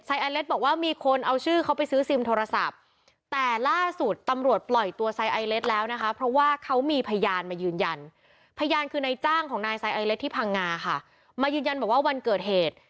ไอเลสบอกว่ามีคนเอาชื่อเขาไปซื้อซิมโทรศัพท์แต่ล่าสุดตำรวจปล่อยตัวไซไอเลสแล้วนะคะเพราะว่าเขามีพยานมายืนยันพยานคือนายจ้างของนายไซไอเล็กที่พังงาค่ะมายืนยันบอกว่าวันเกิดเหตุ